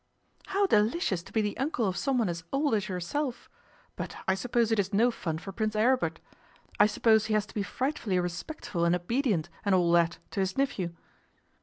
'How delicious to be the uncle of someone as old as yourself! But I suppose it is no fun for Prince Aribert. I suppose he has to be frightfully respectful and obedient, and all that, to his nephew?